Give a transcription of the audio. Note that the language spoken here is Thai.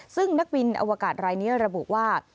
ซึ่งนักบินอวกาศรายนี้ระบุว่า